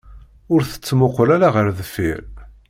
Ur tettmuqqul ara ɣer deffir.